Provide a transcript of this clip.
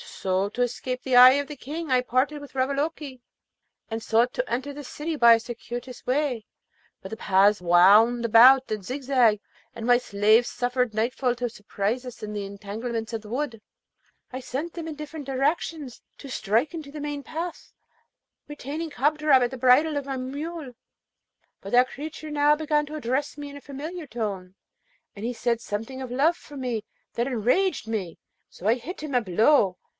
So, to escape the eye of the King I parted with Ravaloke, and sought to enter the city by a circuitous way; but the paths wound about and zigzagged, and my slaves suffered nightfall to surprise us in the entanglements of the wood. I sent them in different directions to strike into the main path, retaining Kadrab at the bridle of my mule; but that creature now began to address me in a familiar tone, and he said something of love for me that enraged me, so that I hit him a blow.